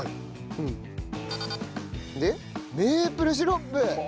メープルシロップ！